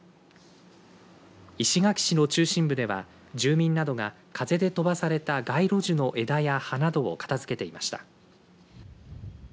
石垣市の中心部では住民などが風で飛ばされた街路樹の枝や葉などを片づけていました。